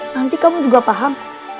nanti kamu juga paham